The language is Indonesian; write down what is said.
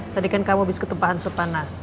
tadi kan kamu habis ketumpahan sopanas